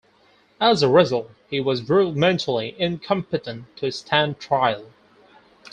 As a result, he was ruled mentally incompetent to stand trial.